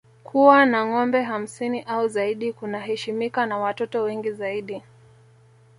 Kuwa na ngombe hamsini au zaidi kunaheshimika na watoto wengi zaidi